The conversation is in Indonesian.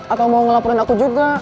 atau mau ngelaporin aku juga